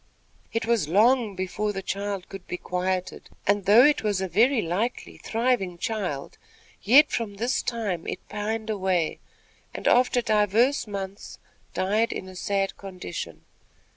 It was long before the child could be quieted; and, though it was a very likely, thriving child, yet from this time it pined away, and, after divers months, died in a sad condition.